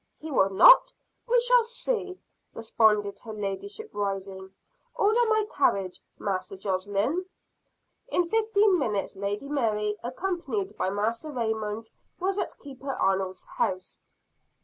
"He will not? We shall see!" responded her ladyship rising. "Order my carriage, Master Josslyn." In fifteen minutes, Lady Mary, accompanied by Master Raymond, was at Keeper Arnold's house.